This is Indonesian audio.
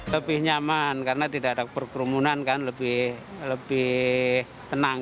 lebih nyaman karena tidak ada pergurungan lebih tenang